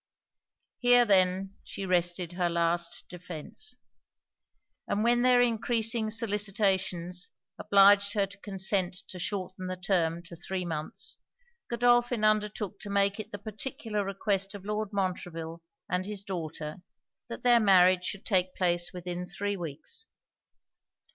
Here, then, she rested her last defence. And when their encreasing solicitations obliged her to consent to shorten the term to three months, Godolphin undertook to make it the particular request of Lord Montreville and his daughter, that their marriage should take place within three weeks.